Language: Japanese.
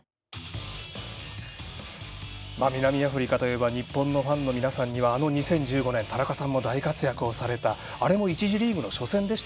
南アフリカといえば日本のファンの皆さんにはあの２０１５年田中さんも大活躍をされたあれも１次リーグの初戦でした。